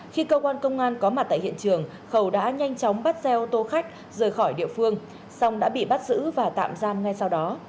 khi cơ quan công an có mặt tại hiện trường khẩu đã nhanh chóng bắt xe ô tô khách rời khỏi địa phương xong đã bị bắt giữ và tạm giam ngay sau đó